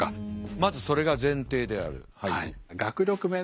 まずそれが前提である。